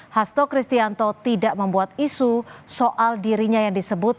hasto kristianto tidak membuat isu soal dirinya yang disebut